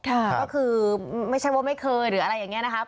ค่ะก็คือไม่ใช่ว่าไม่เคยหรืออะไรอย่างนี้นะครับ